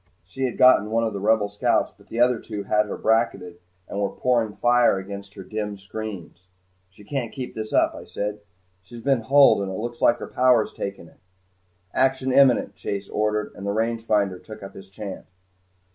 She had gotten one of the Rebel scouts but the other two had her bracketed and were pouring fire against her dim screens. "She can't keep this up," I said. "She's been hulled and it looks like her power's taken it." "Action imminent," Chase ordered, and the rangefinder took up his chant.